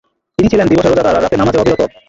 তিনি ছিলেন দিবসে রোযাদার আর রাতে নামাযে অবিরত।